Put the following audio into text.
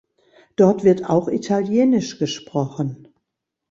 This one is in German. Dort wird auch italienisch gesprochen.